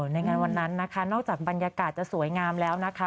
ในงานวันนั้นนะคะนอกจากบรรยากาศจะสวยงามแล้วนะคะ